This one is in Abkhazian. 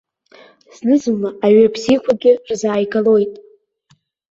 Зны-зынла аҩы бзиақәагьы рзааигалоит.